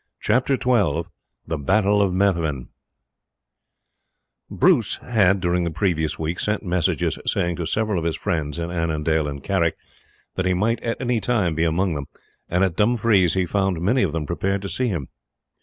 Chapter XII The Battle of Methven Bruce had, during the previous week, sent messages saying to several of his friends in Annandale and Carrick that he might at any time be among them, and at Dumfries he found many of them prepared to see him.